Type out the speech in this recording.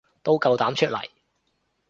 都夠膽出嚟